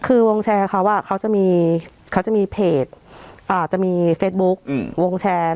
คือวงแชร์เขาว่าเขาจะมีเขาจะมีเพจอ่าจะมีเฟซบุ๊กอืมวงแชร์